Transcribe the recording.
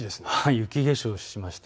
雪化粧をしました。